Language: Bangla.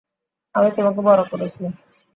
আমি তোমাকে বড় করেছি।